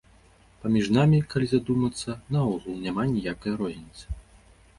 Паміж намі, калі задумацца, наогул няма ніякай розніцы.